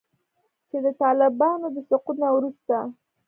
چې د طالبانو د سقوط نه وروسته